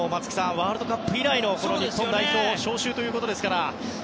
ワールドカップ以来の日本代表招集ですから。